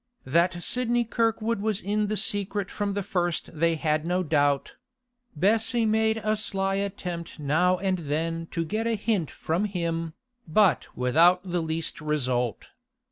That Sidney Kirkwood was in the secret from the first they had no doubt; Bessie made a sly attempt now and then to get a hint from him, but without the least result.